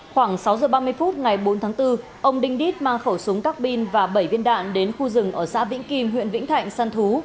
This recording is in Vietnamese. khoảng sáu giờ ba mươi phút ngày bốn tháng bốn ông đinh đít mang khẩu súng các bin và bảy viên đạn đến khu rừng ở xã vĩnh kim huyện vĩnh thạnh săn thú